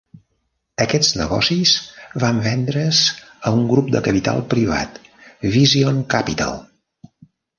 Aquests negocis van vendre's a un grup de capital privat, Vision Capital.